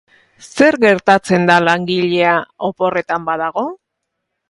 Zer gertatzen da langilea oporretan badago?